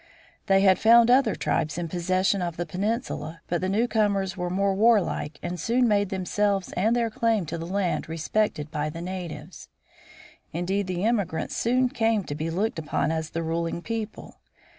They had found other tribes in possession of the peninsula, but the newcomers were more warlike and soon made themselves and their claim to the land respected by the natives. Indeed, the immigrants soon came to be looked upon as the ruling people.